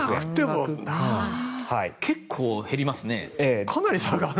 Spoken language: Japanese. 結構減りますね。